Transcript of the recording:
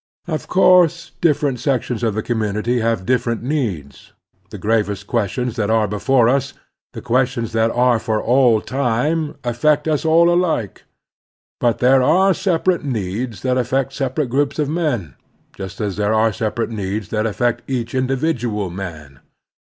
Of course different sections of the commtmity have different needs. The gravest questions that are before us, the questions that are for all time, affect us all alike. But there are separate needs that aflfect separate groups of men, just as there are separate needs that affect each individual man.